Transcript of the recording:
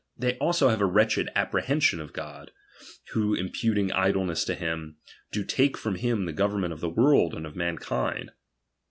Th^J'' also have a wretched apprehension of God, wliC imputiug idleness to him, do take from him tbe government of the world and of mankind.